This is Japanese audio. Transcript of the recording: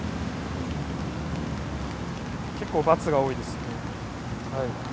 結構×が多いですね。